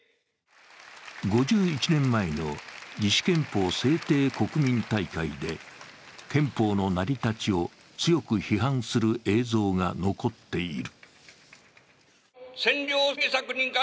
５１年前の自主憲法制定国民大会で憲法の成り立ちを強く批判する映像が残っている。